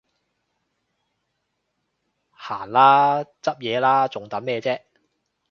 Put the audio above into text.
行啦，執嘢喇，仲等咩啫？